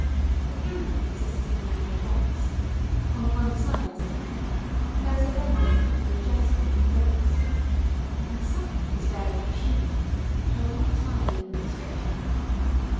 The camera consists of a narrow box. On one side is a handle, and there is a lens that can be adjusted or focused. Inside is varied machinery, but I will not tire you with a description of it.